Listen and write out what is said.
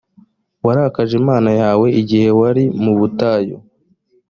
warakaje imana yawe igihe wari mu butayu.